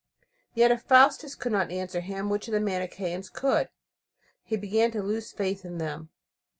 Yet if Faustus could not answer him, which of the Manicheans could? He began to lose faith in them.